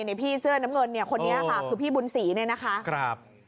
ในพี่เสื้อน้ำเงินเนี่ยคนนี้ค่ะคือพี่บุญศรีเนี่ยนะคะ